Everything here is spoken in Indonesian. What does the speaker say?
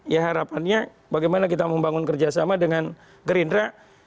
ya harapannya bagaimana kita membangun kerja sama dengan gerindra